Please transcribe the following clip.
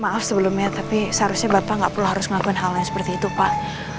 maaf sebelumnya tapi seharusnya bapak nggak perlu harus melakukan hal yang seperti itu pak